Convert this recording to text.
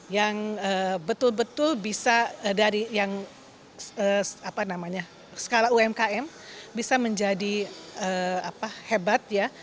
yang betul betul bisa dari yang skala umkm bisa menjadi hebat ya